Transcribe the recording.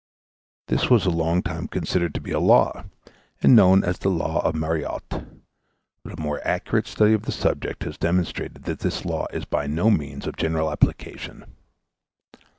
This was a long time considered to be a law, and known as the law of Marriotte; but a more accurate study of the subject has demonstrated that this law is by no means of general application.